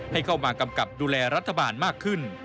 ให้เข้ามากำกับดูแลรัฐบาลมากขึ้น